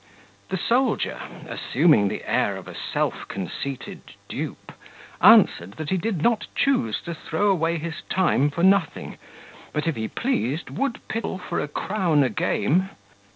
The soldier, assuming the air of a self conceited dupe, answered, that he did not choose to throw away his time for nothing, but, if he pleased, would piddle for a crown a game.